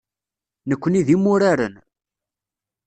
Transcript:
Nekkni d imuraren.